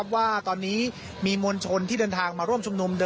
ว่าตอนนี้มีมวลชนที่เดินทางมาร่วมชุมนุม